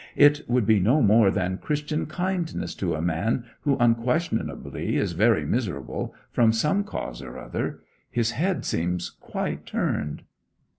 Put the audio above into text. It would be no more than Christian kindness to a man who unquestionably is very miserable from some cause or other. His head seems quite turned.'